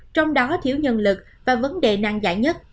trong đó thiếu nhân lực và vấn đề nàng giải nhất